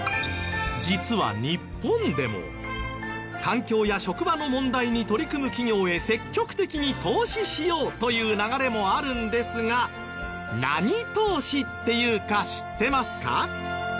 実は日本でも環境や職場の問題に取り組む企業へ積極的に投資しようという流れもあるんですが何投資って言うか知ってますか？